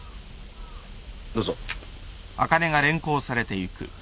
どうぞ。